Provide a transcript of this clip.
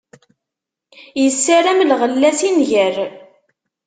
Issaram lɣella si nnger.